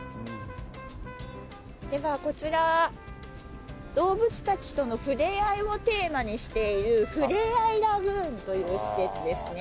ではこちら動物たちとの触れ合いをテーマにしているふれあいラグーンという施設ですね。